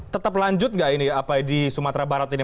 tetap lanjut nggak ini apa di sumatera barat ini